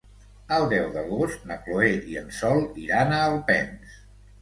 El deu d'agost na Chloé i en Sol iran a Alpens.